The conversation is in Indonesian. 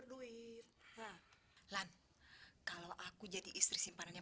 tinggal di rumahku